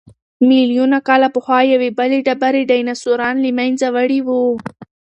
ملیونونه کاله پخوا یوې بلې ډبرې ډیناسوران له منځه وړي وو.